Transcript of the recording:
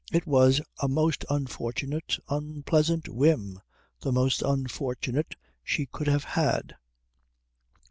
It was a most unfortunate, unpleasant whim, the most unfortunate she could have had.